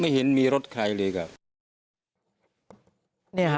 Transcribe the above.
เห็นมีรถใครเลยครับ